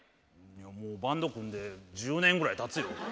もうバンド組んで１０年ぐらいたつよ。